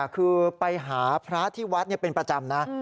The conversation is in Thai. คือไปหาพระที่วัดเป็นประจำนะ